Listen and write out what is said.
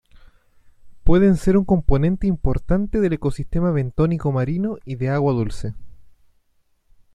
Pueden ser un componente importante del ecosistema bentónico marino y de agua dulce.